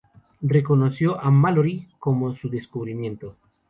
Reconoció a Mallory como su descubrimiento.